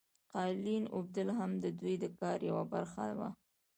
قالین اوبدل هم د دوی د کار یوه برخه وه.